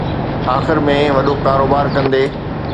آخر ۾ وڏو ڪاروبار ڪندي